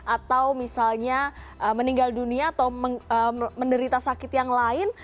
atau misalnya meninggal dunia atau menderita sakit yang lain